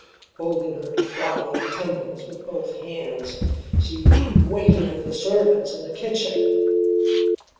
Holding her throbbing temples with both hands, she waited with the servants in the kitchen.